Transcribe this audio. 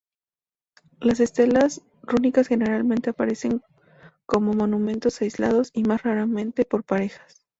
Las estelas rúnicas generalmente aparecen como monumentos aislados y más raramente por parejas.